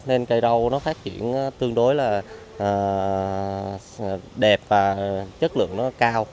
nên cây rau nó phát triển tương đối là đẹp và chất lượng nó cao